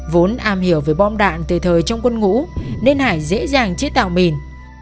vốn am hiểu về bom đạn từ thời trong quân ngũ nên hải dễ dàng chết tào mìn